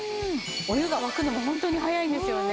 お湯が沸くのもホントに早いんですよね。